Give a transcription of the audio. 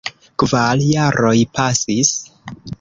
Kvar jaroj pasis.